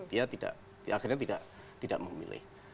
dia tidak akhirnya tidak memilih